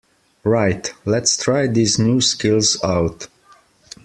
Right, lets try these new skills out!